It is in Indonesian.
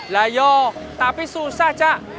lah ya tapi susah cak